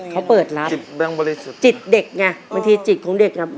เกิดโดนพี่อำ